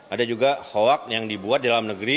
ada juga hoak yang dibuat dalam negeri